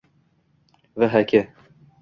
Vhk